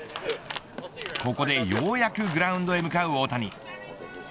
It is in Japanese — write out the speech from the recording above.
ここでようやくグラウンドへ向かう大谷。